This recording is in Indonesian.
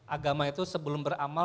agama itu sebelum beramal